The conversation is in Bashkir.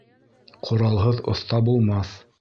Ҡоралһыҙ оҫта булмаҫ